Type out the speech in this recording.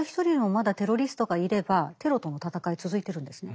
まだテロリストがいればテロとの戦い続いてるんですね。